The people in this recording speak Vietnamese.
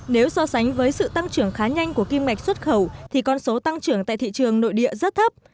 nếu so sánh với sự tăng trưởng khá nhanh của kim mạch xuất khẩu thì con số tăng trưởng tại thị trường nội địa rất thấp